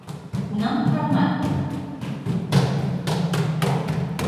Кунам куралман?